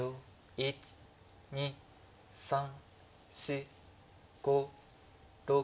１２３４５６７８。